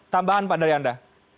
tambahan pada anda